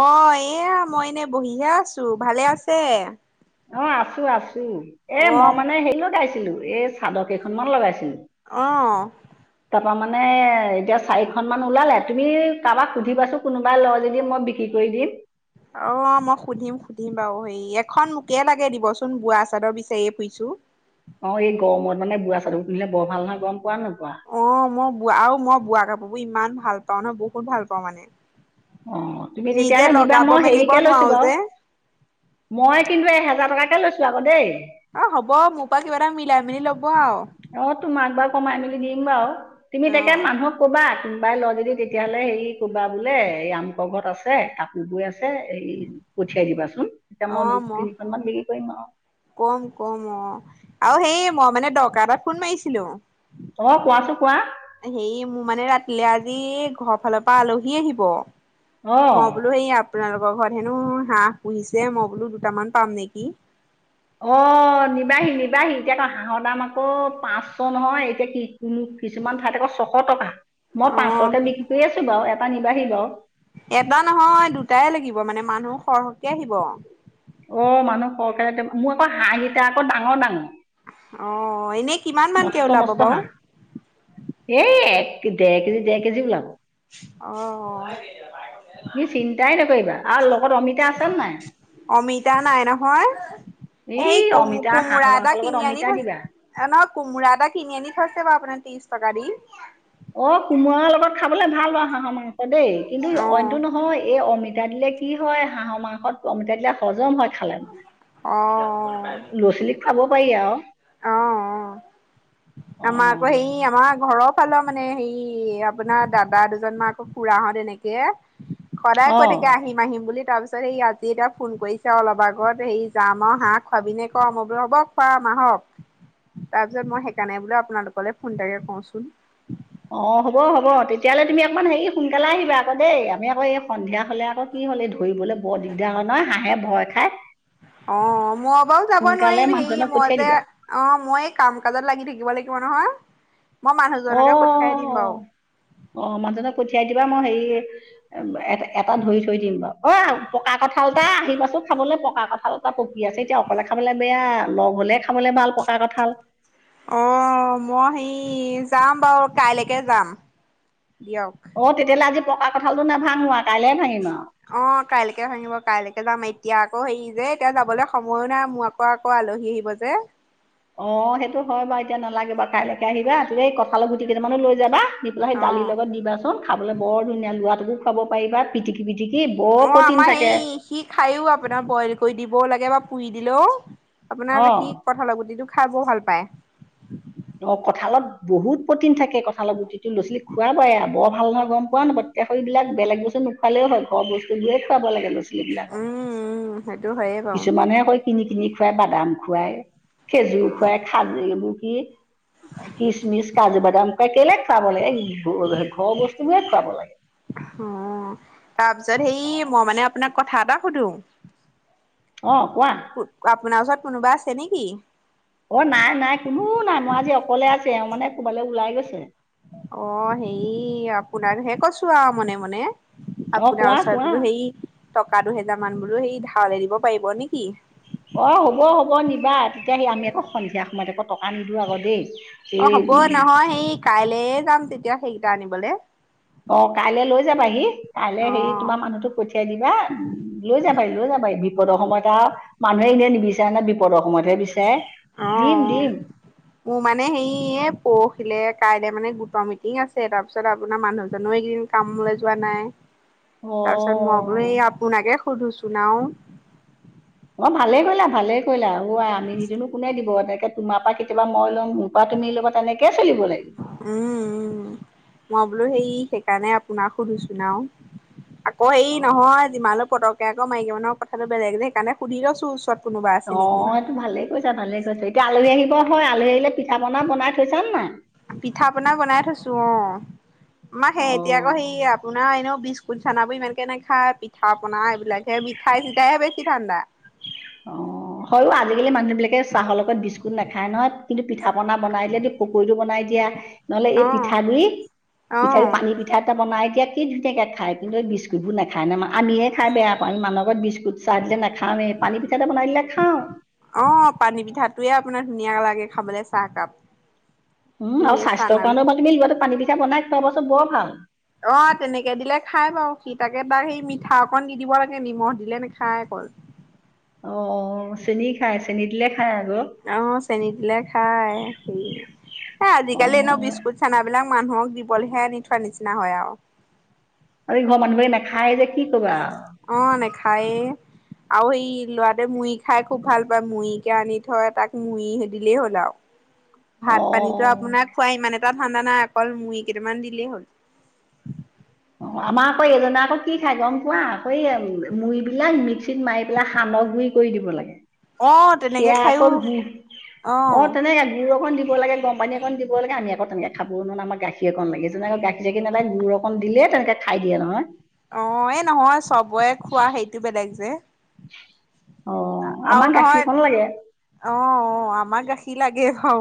অ এয়া মই এনেই বহি হে আছো, ভালে আছে। অ আছো আছো এ মই অ' মানে হেৰি লগাইছিলো এই চাদৰ কেইখনমান লগাইছিলোঁ। অহ। তাপা মানে এতিয়া চাৰিখনমান ওলালে তুমি কাৰোবাক সুধিবাচোন কোনোবাই লয় যদি মই বি। বিক্ৰী কৰি দিম। অ মই সুধিম সুধিম বাৰু হেৰি এখন মোকে লাগে দিবচোন বোঁৱা চাদৰ বিচাৰিয়ে ফুৰিছোঁ। অ এই গৰম মানে বোৱা চাদৰ পিন্ধিলে বৰ ভাল নহয় গম পোৱা নে নোপোৱা। অ মই বোৱা আৰু মই বোৱা কাপোৰ বোৰ ইমান ভাল পাওঁ মানে বহুত ভাল পাওঁ মানে। অ তুমি তেতিয়া নিজে হ'লে নিবা লগাব মই মেলিব হেৰিকে নোৱাৰো লৈছো বাৰু। যে মই কিন্তু এহেজাৰ টকাকে লৈছো আকৌ দেই। অ হ'ব মোৰ পৰা কিবা এটা মিলাই মেলি লব আৰু। অ তোমাক বাৰু কমাই মেলি দিম বাৰু তুমি তাকে অ' মানুহক। ক'বা কোনোবাই লয় যদি তেতিয়া হ'লে হেৰি কবা বোলে এই আমোকৰ ঘৰত আছে কা। গৈ আছে সেই পঠিয়াই দিবাচোন এতিয়া মই বিশ, ত্ৰিশখন মান হেৰি কৰিম আৰু। কম কম অ অঁ আৰু সেই মই মানে দৰকাৰ এটাত ফোন মাৰিছিলো। অ কোৱাচোন কোৱা। হেৰি মোৰ মানে ৰাতিলে আজি ঘৰ ফালৰ পৰা আলহী আহিব। অঁ মই বোলো সেই আপোনালোকৰ ঘৰত হেনো হাঁহ পুহিছে মই বোলো দুটামান পাম নেকি? অ নিবাহি নিবাহি এতিয়া হাঁহৰ দাম আকৌ পাঁচশ নহয় এতিয়া কি ক। কিছুমান ঠাইত আকৌ ছশ টকা মই অ' পাঁচশকে বিক্ৰী কৰি আছো বাৰু এটা নিবাহি বাৰু। এটা নহয় দুটাই লাগিব মানে মানুহ সৰহকে আহিব। অঁ মানুহ সৰকে মোৰ আকৌ হাঁহ কেইটা আকৌ ডাঙৰ ডাঙৰ। অঁ, এনেই কিমান মানকে মস্ত ওলাব মস্ত বাও? হাঁহ এই এক দেৰ কেজি দেৰ কেজি ওলাব। অঁহ। মি চিন্তাই নকৰিবা আৰু লগত অমিতা আছে নে নাই? অমিতা নাই নহয় এই অমিতা হাঁহ মাংস লগত অমিতা দিবা। এ নহয় কোমোৰা এটা কিনি আনি থৈছে বাৰু আপোনাৰ ত্ৰিশ টকা দি। অ কোমোৰাৰ লগত খাবলে ভাল বাও হাঁহৰ মাংস দেই কিন্তু অ' অইনটো নহয়, এই অমি তা দিলে কি হয় হাঁহ মাংস অমিতা দিলে, হজম হয় খালে মানে, অ' ল'ৰা ছোৱালীক খোৱাব পাৰি আও। অঁ অঁ। আমাৰ আকৌ অঁ হেই আমাৰ ঘৰৰ ফালৰ মানে হেৰি আপোনাৰ দাদা দুজন মান আকৌ খুৰাহঁত এনেকে সদায় কৈ অঁ থাকে আহিম আহিম বুলি তাৰ পি তাৰপিছত সেই আজি এতিয়া ফোন কৰিছে অলপ আগত হেৰি যাম আও হাঁহ খোৱাবিনে ক, ম‌ই বোলো হ'ব খোৱাম আহক, তাৰপিছত মই সেইকাৰণে বোলে আপোনালোকলৈ ফোন এতাকে কৰোচোন। অঁ হ'ব হ'ব, তেতিয়াহলে তুমি অকমান হেৰি সোনকালে আহিবা আকৌ দেই আমি আকৌ এই সন্ধিয়া হলে আকৌ কি হ'লে ধৰিবলৈ বৰ দিগদাৰ হয় নহয় হাঁহে ভয় খায়। অঁ মই বাও যাব সোনকালে নোৱাৰিম হেৰি মানুহজনক মই পঠিয়াই যে, দিবা অঁ মই এই কাম কাজত লাগি থাকিব লাগিব নহয়, মই মানুহজনকে পঠিয়াই দিম বাও। অঁ, মানুহজনক পঠিয়াই দিবা, মই হেৰি এ এটা ধৰি থৈ দিম বাৰু, অই পকা কঠাল এটা আহিবাচোন খাবলৈ পকা কঁঠাল। পকী আছে এতিয়া অকলে খাবলৈ বেয়া, লগ হলে খাবলৈ ভাল পকা কঁঠাল। অঁ মই সেই যাম বাৰু কাইলৈকে যাম দিয়ক। অ তেতিয়াহলে আজি পকা কঠালটো নাভাঙো আও, কাইলে ভাঙিম আও। অঁ কাইলৈকে ভাঙিব, কাইলৈকে যাম এতিয়া আকৌ হেৰি যে এতিয়া যাবলৈ সময়ো নাই মোৰ আ কৌ আলহী আহিব যে। অঁ সেইটো হয় বাৰু, এতিয়া নালাগে বাও কাইলৈকে আহিবা তু এই কঁঠালৈ গুটি কেইটামানো লৈ যাবা। দি পেলাই সেই অ দালিৰ লগত দিবাচোন খাবলৈ বৰ ধুনীয়া লাগিব, ল'ৰাটোকো খাব পাৰিবা, পিটি কি পিটিকি অ বৰ পতিন আমাৰ সেই থাকে। সি খাইয়ো আপোনাৰ বইল কৰি দিবও লাগে বা পুৰি দিলেও, আপোনাৰ অ সি কঁঠালগুতিটো খাই বৰ ভাল পায়। অঁ কঁঠালত বহুত প্ৰটিন থাকে, কঁঠালত গুটিটো ল' ছোৱালী খোৱাই, বৰ ভাল নহয় গম পোৱা নোপোৱা। এতিয়া সেইবিলাক বেলেগ বস্তুটো নোখোৱালেই হয়, ঘৰ বস্তুবোৰে খুৱাব লাগে ল ৰা ছোৱালি বিলাকক, উম উম সেইটো হয়ে বাৰু কিছুমানহে কৈ কিনি কিনি খোৱাই বাদাম খোৱাই, খেজুৰ খোৱাই, খাজ এইবোৰ কি খিছমিচ কাজু বাদাম তই কেলেই খুৱাব লাগে, ঘৰ বস্তু বোৰে খুৱাব লাগে। অঁ, তাৰপিছত সেই অ মই মানে আপোনাক কথা এটা সুধো। [unintelligible] অঁ, কোৱা? আপোনাৰ ওচৰত কোনোবা আছে নেকি? অঁ নাই নাই কোনো নাই মই আজি অকলে আছে এওঁ মানে ক'বালৈ ওলাই গৈছে। অঁ হেৰি আপোনাক হে ক‌ইছো আও মনে মনে। অ আপোনাৰ কোৱা ওচৰত কোৱা বোলো সেই টকা দুহেজাৰ মান বোলো সেই ধাৱলে দিব পাৰিব নেকি? অঁ, হ'ব হ'ব নিবা তেতিয়া সি আমি আকৌ সন্ধিয়া সময়ত আকৌ টকা নিদি আকৌ দেই। অঁ হ'ব, অ এই নহয় সেই কাইলে যাম তেতিয়া সেইকেইটা আনিবলে। অঁ, কাইলৈ লৈ যাবাহি কাইলৈ হেৰি তোমাৰ মানুহটোক পঠিয়াই দিবা, উম লৈ যাবাই, লৈ যাবাই, বিপদৰ সময়ত আও, মানুহে এনে নিবিচাৰে নহয়, বিপদৰ সময়তহে অ অ বি দিম, অ দিম। মোৰ মানে সেই পৰহিলে কাইলে মানে গোটৰ মিটিং আছে, তাৰপিছত আপোনাৰ মানুহজো এইকেইদিন কামলে যোৱা নাই। অ তাৰ পিছত মই বোলো এই আপোনাকে সুধোচোন আও। অ' ভালে কৰিলা, ভালে কৰিলা। অ' আই আমি নিদি নো কোনে দিব, তেনেকে তোমাৰ পা কেতিয়াবা মই ল'ম। পা তুমি লবা, তেনেকেই চলিব লাগিব। উম', উম', মই বোলো সেই সেইকাৰণে আপোনাক সোধো চোন আও। অ' এই নহয় যিমানো পতককে আকৌ মাইকী মানুহৰ কথাটো বেলেগ যে, সেইকাৰণে সুধি লৈছো ওচৰত। কোনোবা আছে নেকি অ' এইটো ভালেই কৰিছাঁ, ভালেই কৰিছাঁ। এতিয়া আলহী আহিব হয়, আলহী আহিলে পিঠা পনা বনাই থৈছান নাই? পিঠা পনা বনাই থৈছো অ'। আমাৰ সেঁহেতি আকৌ সেই অ আপোনাৰ এনেও বি বুট চানাবোৰ ইমানকে নাখায়, পিঠা পনা এইবিলাকে মিঠাই চিঠাইহে বেছি ধাণ্ডা। অ' হয়ও আজিকালি মানুহ বিলাকে চাহৰ লগত বিস্কুট নাখায় নহয়, কিন্তু পিঠা পনা বনাই দিলে পকৰীটো বনাই দিয়া। নহ'লে এই অ পিঠা গুৰি, পিঠা অ পানী পিঠা এটা বনাই দিয়া, কি ধুনীয়াকে খাই। কিন্তু এই বি বিস্কুটবোৰ নেখায় ন, আমিয়ে খাই বেয়া পাওঁ। মানুহৰ ঘৰত বিস্কুট চাহ দিলে নাখাওঁয়েই। পানী পিঠাটো বনাই দিলে নেখাওঁ। অ' পানী পিঠাটোয়ে আপোনাৰ ধুনীয়া লাগে, খাবলে চাহ কাপ। উম' আৰু স্বাস্থ্যৰ কাৰণেও ভাল, তুমি ল'ৰাটোক পানী পিঠা বনাই খোৱাবা চোন বৰ ভাল। অ' তেনেকে দিলে খাই বাৰু, সি তাকে তাৰ সেই মিঠা অকণ দি দিব লাগে, নিমখ দিলে নাখায় অকল। অ' অ' চেনী খাই, চেনী দিলে খাই আগ। অ' চেনী দিলে খাই সি, এ অ আজিকালি এনেও বিচ বুট চানাবিলাক মানুহক দিবলেহে আনি থোৱাৰ নিচিনা হয় আও। আমি ঘৰৰ মানুহবিলাকে নাখায় যে কি কবা আও। অ' নেখায়ে। আৰু ই লৰাটোৱে মুড়ি খাই খুব ভাল পায়, মুড়িকে আনি থয়, তাক মু়ড়ি দিলেই হ'ল আও। ভাত পানীতো অ আপোনাৰ খুৱা ইমান এটা ঠাণ্ডা নাই, অকল মুড়ি কেইটামান দিলেই হ'ল। অ' আমাৰ আকৌ এইজনে আকৌ কি খাই গ'ম পোৱা, আকৌ এই মু়ড়ি বিলাক মিক্সিত মাৰি পেলাই সান্ড গুৰি কৰি দিব লাগে। অ', তেনেকে সেয়া আকৌ খায়ো গুৰ, অ' তেনেকে গুৰ অকণ দিব লাগে, গম পানী অকণ দিব লাগে, আমি আকৌ তেনেকে খাব‌ও নোৱাৰো, আমাক গাখীৰ অকণ লাগে। এইজনে আক গাখীৰ চাখিৰ নেলাগে গুৰ অকণ দিলে তেনেকে খাই দিয়ে নহয়। অ', এই নহয় চবৰে খোৱা সেইটো বেলেগ যে। অ আৰু আমাক নহয়, গাখীৰকণ লাগে অ' অ' আমাক গাখীৰ লাগে বাও।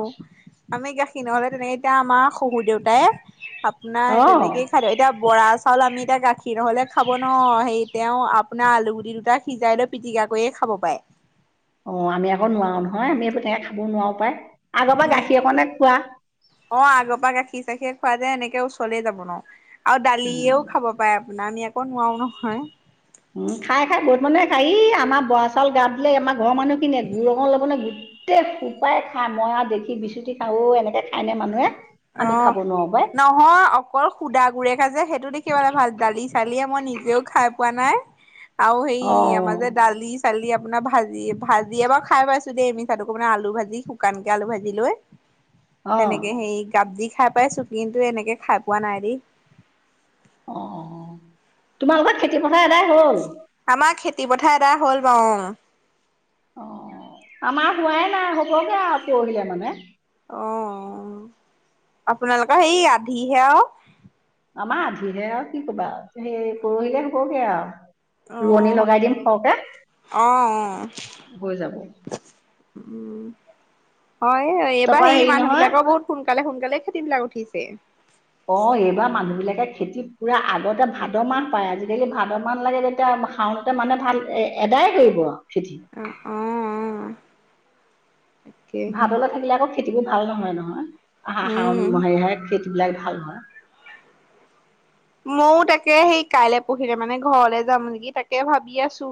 আমি গাখীৰ নহলে তেনেকে, এতিয়া আমাৰ শহু দেউতাই, আপোনাৰ অ তেনেকেই খাই দিওঁ। এতিয়া বৰা চাউল আমি এতিয়া গাখীৰ নহ'লে খাব নোৱাওঁ। হেৰি তেওঁ আপোনাৰ আলুগুটি দুটা সিজাই লৈ পিটিকা কৰিয়ে খাব পাৰে। অ' আমি আকৌ নোৱাৰো নহয়, আমি আক তেনেকে খাবও নোৱাৰো পাই। আগৰ পা গাখীৰ অকণে খোৱা। অ' আগৰ পা গাখীৰ চাখিয়ে খুৱা যে, এনেকে ওচৰলে যাব নোৱাওঁ। আৰু উম। দালিয়েও খাব পাৰে আপোনাৰ, আমি আক নোৱাৰোঁ নহয়। উম' খাই, খাই বহুত মানুহে খাই। ই আমাৰ বৰা চাউল গাওঁত দিলে আমাৰ ঘৰৰ মানুহখিনিয়ে গুৰ অকণ ল'ব গোটেই সোপাই খাই, মই আৰু দেখি বিচুতি খাওঁ, অ' এনেকে খাইনে মানুহে। আমি খাব অ' নোৱাৰো পাই ন অ' অকল সুদা গুৰেহে যে, সেইটো দেখিবলে ভাল, দালি চালিয়ে মই নিজেও খাই পোৱা নাই। আৰু সেই আমাৰ অ' যে দালি। দালি আপোনাৰ ভাজি, ভাজিয়ে বাও খাই পাইছো দেই, মিচাটো কব নোৱাওঁ। আলু ভাজি শুকানকে আলু ভাজি লৈ। অ' তেনেকে সেই গাবদি খাই পাইছো কিন্তু এনেকে খাই পোৱা নাই দেই। অ', তোমাৰ লগত খেতি পথাৰ এদাই হ'ল? আমাৰ খেতি পথাৰ এদাই হ'ল বাৰু অ'। অ', আমাৰ হোৱাই নাই হ'বগে আৰু পৰহিলে মানে। অ', আপোনালোকৰ সেই আধিহে আৰু। আমাৰ আধিহে আৰু কি কবা সেই পৰহিলে হ'বগে অ আৰু। ৰোৱনী লগাই দিম সৰহকে অ অ হৈ যাব। উম, হয় এইবাৰ তাৰপৰা সেই হেৰি নহয় মানুহবিলাকৰ বহুত সোনকালে সোনকালে খেতিবিলাক উঠিছে। অ', এইবাৰ মানুহবিলাকে খেতি পুৰা আগতে ভাদ মাহ পায় আজিকালি ভাদ মাহ লাগে তেতিয়া শাওন মানে ভাল এ এদাই কৰিব আৰু খেতি। অ', অ', অ'। তাকেহে ভাদলৈ থাকিলে আকৌ খেতিবোৰ ভাল নহয় নহয় আহাৰ শাওন উম মহীয়াহে খেতিবিলাক ভাল হয়। ময়ো তাকে সেই কাইলৈ পৰহিলে মানে ঘৰলৈ যাম নেকি তাকে ভাবি আছো।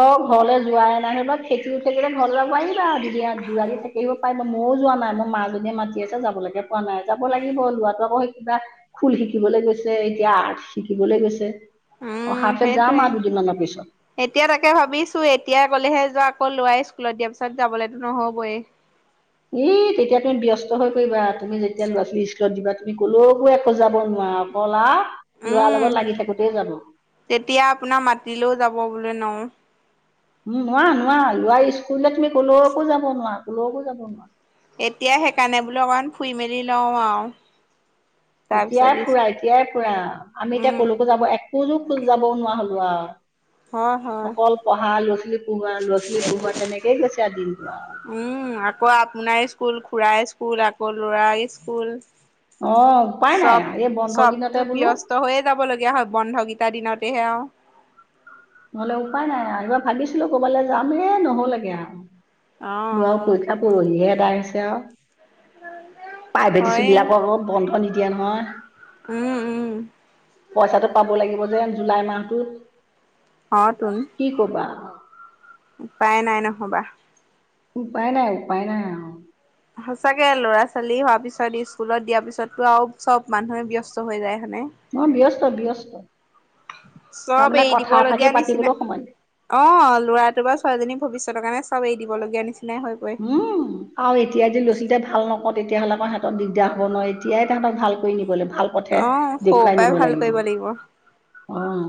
অ', ঘৰলৈ যোৱাই নাই খেতি উম খেতি ঘৰ আহিবা আৰু দ থাক কি পাৰিব মইও যোৱা নাই মোৰ মাজনীয়ে মাতি আছে যাবলৈকে পোৱা নাই যাব লাগিব লৰাটো আকৌ সেই কিবা খোল শিকিবলৈ গৈছে এতিয়া আৰ্ট শিকিবলৈ গৈছে। অ', উম হা সেইটোৱে। যাম আৰু দুদিনমানৰ পিছত। এতিয়া তাকে ভাবিছো এতিয়া গ'লেহে যোৱা আকৌ ল'ৰাই স্কুলত দিয়া পিছত যাবলেতো নহ'বই। ই তেতিয়া তুমি ব্যস্ত হৈ পৰিবা তুমি যেতিয়া ল'ৰা ছোৱালী দিবা তুমি কলৈকো একোজাব নোৱাৰা অ' কা ল'ৰা উম লগত লাগি থাকোতে যাব। তেতিয়া আপোনাৰ মাতিলেও যাব বুলে নোৱাৰো। উম, নোৱাৰা নোৱাৰা ল'ৰা স্কুল দিলে তুমি কলৈকো যাব নোৱাৰা কলৈকো যাব নোৱাৰা। এতিয়া সেইকাৰণে বোলো অকণমান ফুৰি মেলি লও আৰু। এতিয়াই তাৰপিছত ফুৰা এতিয়াই ফুৰা আমি এতিয়া উম কলৈকো যাব এক খোজো খোজ যাবও নোৱাৰা হ'লো হয় আৰু হয়। অকল পঢ়া ল'ৰা ছোৱালী পঢ়োৱা ল'ৰা ছোৱালী পঢ়োৱা তেনেকেই গৈছে আৰু দিনটো। উম, আকৌ আপোনাৰ স্কুল খুড়াৰ স্কুল আকৌ ল'ৰা স্কুল। অ', উপায় নাই চব আৰু এই বন্ধ চবতো কিদিনতে বোলো ব্যস্ত হৈয়ে যাব লগীয়া হয় বন্ধ কেইটাৰ দিনতেহে আৰু। নহ'লে উপায় নাই আৰু এইবাৰ ভাগিছিলো ক'বালৈ যাম ৰে নহ'লগে আৰু। মোৰ আৰু অ', পৰীক্ষা পৰহিহে এটা আহিছে আৰু। প্ৰাইভেটছ হয়ে স্কুলবিলাক আকৌ বন্ধ নিদিয়ে নহয়। উম, উম, পইচাটো পাব লাগিব যে জুলাই মাহটোত। অ', তোন। কি ক'বা? উপায় নাই নহ'বা। উপায় নাই উপায় নাই আৰু। সচাকে ল'ৰা ছোৱালী হোৱাৰ পিছত স্কুলত দিয়া পিছতো আৰু চব মানুহে ব্যস্ত হৈ যায় হয়নে। অ', ব্যস্ত ব্যস্ত। চব তাৰমানে এৰি দিব কথা এফাকি লগীয়া নিচিনা পাতিবলৈ সময় নাই অ', ল'ৰাটো বা ছোৱালজনী ভৱিষ্যতৰ কাৰণে চব এৰি দিব লগীয়া নিচিনাই হয়। উম। আৰু এতিয়া যদি ল'ৰা ছোৱালীকিতা ভাল নকৰো তেতিয়াহ'লে আমাৰ সিহঁতৰ দিগদাৰ হ'ব নহয়। এতিয়াই তাহঁতক ভাল কৰি নিবলৈ ভাল পথে অ', সৰুৰ দেখুৱাই পৰাই নিব ভাল কৰিব লাগিব অ'।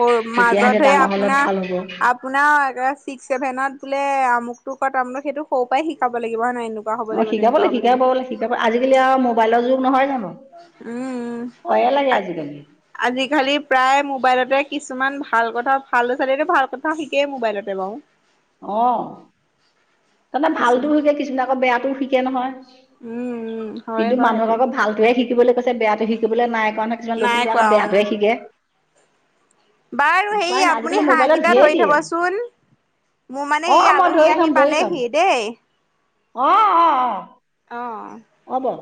সৰ মাজত সেইয়া আপোনাৰ আপ আপোনাৰ ছিক্স ছেভেনত বোলে আমুকটো কৰ তামোক সেইটো সৰু পৰাই শিকাব লাগিব হয় নে নহয় এনেকুৱা হ'ব লাগিব তেনেকুৱা হ'ব লাগিব। এইবোৰ আজিকালি আও মোবাইলৰ যুগ নহয় জানো। উম উম ভয়ে লাগে আজিকালি প্ৰায় মোবাইলতে কিছুমান ভাল কথা ভাল লৰা ছোৱালীয়েটো ভাল কথা শিকেই মোবাইলতে বাৰু। [inaudible] অ তাতে ভালতো কিছুমান শিকে কিছুমানে আকৌ বেয়াটোও শিকে নহয়। উম উম হয় কিন্তু বাৰু মানুহক সেইটো আকৌ ভালটোৱে শিকিবলৈ কৈছে বেয়াটো শিকিবলৈ নাই কোৱা নহয় কিছুমান ল'ৰা নাই ছোৱালীয়ে কোৱা আকৌ অ। বেয়াটোহে শিকে। বাৰু সেই উপায় নাই আপুনি আজিকালি হাঁহ মোবাইলত কেইটা ঢেৰ ধৰি দিয়ে থবচোন। মোৰ মানে অ এই মই আলহী ধৰি থম আহি ধৰি থম পালেহি দেই। অ অ' অ অ অ হ'ব